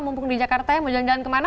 mumpung di jakarta ya mau jalan jalan kemana